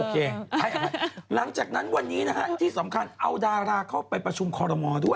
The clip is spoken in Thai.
หากหลังจากนั้นวันนี้นะฮะเอาดาราเข้าไปประชุมโคลโลโมด้วย